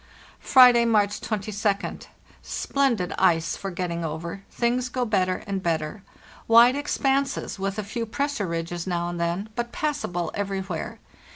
"Friday, March 22d. Splendid ice for getting over; things go better and better. Wide expanses, with a few cg pressure ridges now and then, but passable everywhere.